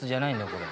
これ。